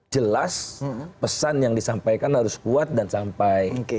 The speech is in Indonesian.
jelas pesan yang disampaikan harus kuat dan sampai